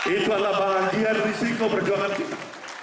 itu adalah bagian risiko perjuangan kita